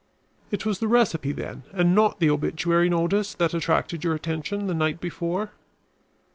"It was the recipe, then, and not the obituary notice which attracted your attention the night before?"